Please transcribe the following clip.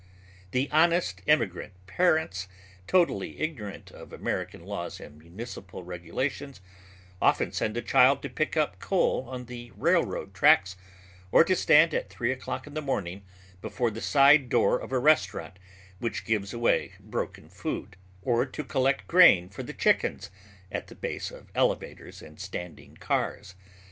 The honest immigrant parents, totally ignorant of American laws and municipal regulations, often send a child to pick up coal on the railroad tracks or to stand at three o'clock in the morning before the side door of a restaurant which gives away broken food, or to collect grain for the chickens at the base of elevators and standing cars.